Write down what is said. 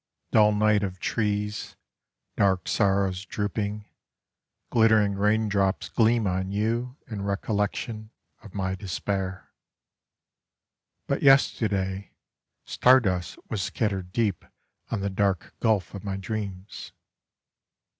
Dull night of trees, Dark sorrows drooping, Glittering raindrops gleam on you In recollection Of my despair. But yesterday Stardust was scattered deep on the dark gulf of my dreams.